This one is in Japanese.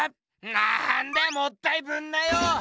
なんだよもったいぶんなよ！